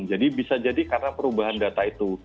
bisa jadi karena perubahan data itu